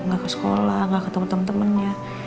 ga ke sekolah ga ketemu temen temennya